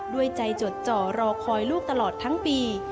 ด้วยใจจดจ่อรอคอยลูกตลอดทั้งปี